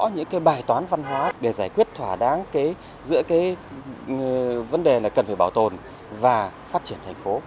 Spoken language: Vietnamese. những cái bài toán văn hóa để giải quyết thỏa đáng giữa cái vấn đề là cần phải bảo tồn và phát triển thành phố